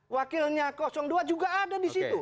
wakilnya dua juga ada di situ